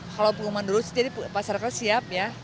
kalau pengumuman terus jadi pasarkan siap ya